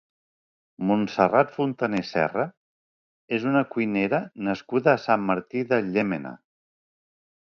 Montserrat Fontané Serra és una cuinera nascuda a Sant Martí de Llémena.